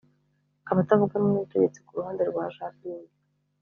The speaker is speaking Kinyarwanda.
Abatavuga rumwe n’ubutegetsi ku ruhande rwa Jean Ping